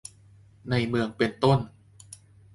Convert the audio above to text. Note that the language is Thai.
ในเมืองเป็นต้น